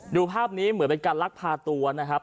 ดูภาพนี้เหมือนเป็นการลักพาตัวนะครับ